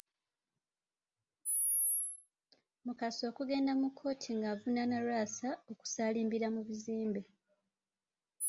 Mukasa okugenda mu kkooti ng’avunaana Lwasa okusaalimbira mu bizimbe.